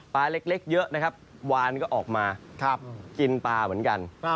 เล็กเยอะนะครับวานก็ออกมากินปลาเหมือนกัน